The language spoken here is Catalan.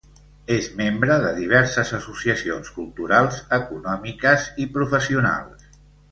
És membre de diverses associacions culturals, econòmiques i professionals.